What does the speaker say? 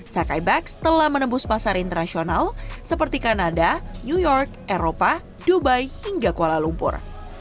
sakaibax telah menembus pasar internasional seperti kanada new york eropa dubai hingga kuala lumpur